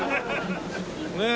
ねえ。